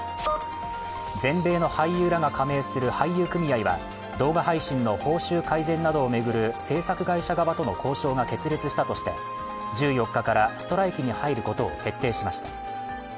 全米の俳優らが加盟する俳優組合は動画配信の報酬改善などを巡る制作会社側との交渉が決裂したとして、１４日からストライキに入ることを決定しました。